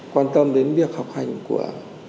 quan tâm đến việc học hành của